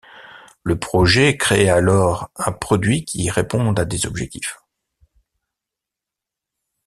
Le projet créé alors un produit qui réponde à des objectifs.